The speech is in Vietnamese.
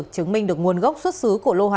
chứng minh được nguồn gốc xuất xứ